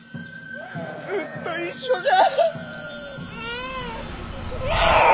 ずっと一緒じゃ！